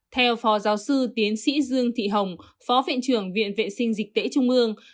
theo phó giáo sư tiến sĩ dương thị hồng phó viện trưởng viện vệ sinh dịch tễ trung ương